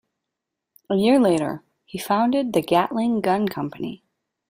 A year later, he founded the Gatling Gun Company.